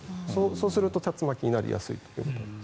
そうすると竜巻になりやすいということです。